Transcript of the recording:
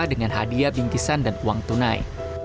dengan hadiah bingkisan dan uang tunai